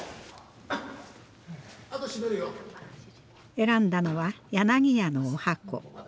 選んだのは柳家のおはこ。